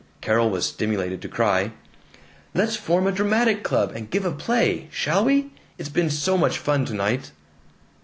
Carol was stimulated to cry: "Let's form a dramatic club and give a play! Shall we? It's been so much fun tonight!"